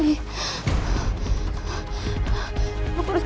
aku harus keluar disini